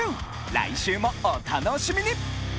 来週もお楽しみに！